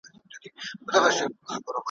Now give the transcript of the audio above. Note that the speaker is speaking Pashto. د نیمي شپې تیاره ده دا آذان په باور نه دی ,